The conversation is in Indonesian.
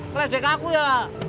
kalian dek aku ya